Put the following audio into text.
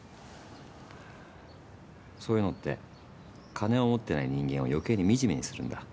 そういうのって金を持ってない人間を余計に惨めにするんだ。